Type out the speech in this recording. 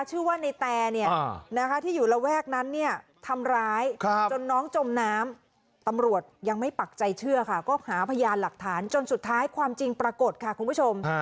ชื่อว่าในแตที่อยู่ระแวกนั้นเนี่ยทำร้ายจนน้องจมน้ำตำรวจยังไม่ปักใจเชื่อค่ะก็หาพยานหลักฐานจนสุดท้ายความจริงปรากฏค่ะคุณผู้ชม